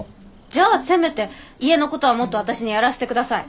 じゃあせめて家のことはもっと私にやらせてください。